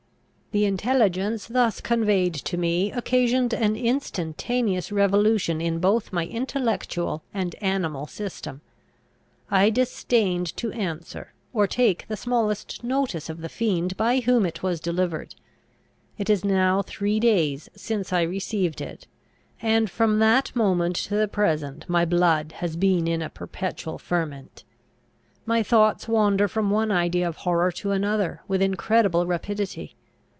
The intelligence thus conveyed to me occasioned an instantaneous revolution in both my intellectual and animal system. I disdained to answer, or take the smallest notice of the fiend by whom it was delivered. It is now three days since I received it, and from that moment to the present my blood has been in a perpetual ferment. My thoughts wander from one idea of horror to another, with incredible rapidity.